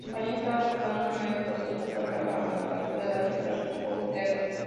La compañía estaba buscando un nuevo producto para la manufactura durante la posguerra.